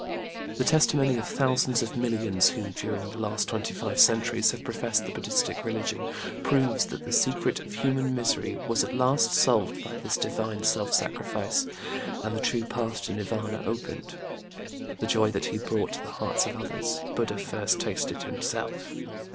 The testimony of thousands of millions who, during the last twenty five centuries, have professed the BudĖĢdĖĢhistic religion, proves that the secret of human misery was at last solved by this divine self sacrifice, and the true path to NirvÄnĖĢa opened. The joy that he brought to the hearts of others, BudĖĢdĖĢha first tasted himself.